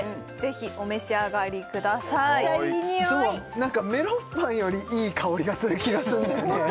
何かメロンパンよりいい香りがする気がすんだよね